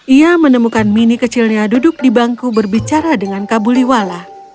ia menemukan mini kecilnya duduk di bangku berbicara dengan kabuliwala